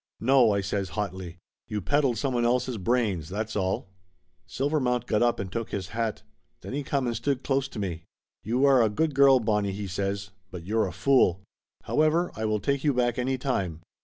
"No !" I says hotly. "You peddled somebody else's brains, that's all !" Silver mount got up and took his hat. Then he come and stood close to me. "You are a good girl, Bonnie," he says, "but you're a fool. However, I will take you back any time.